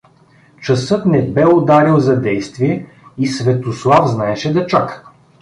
Часът не бе ударил за действие и Светослав знаеше да чака.